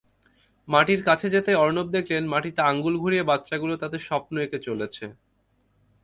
কাছে যেতেই অর্ণব দেখলেন মাটিতে আঙুল ঘুরিয়ে বাচ্চাগুলো তাদের স্বপ্ন এঁকে চলছে।